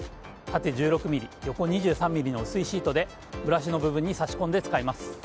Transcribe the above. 縦１６ｍｍ、横２３ｍｍの薄いシートでブラシの部分に差し込んで使います。